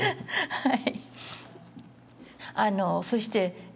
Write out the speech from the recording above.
はい。